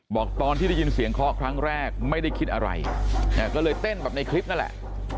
บอกตอนที่ได้ยินเสียงเคาะครั้งแรกไม่ได้คิดอะไรก็เลยเต้นแบบในคลิปนั่นแหละ